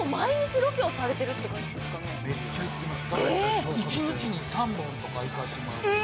めっちゃ行ってます。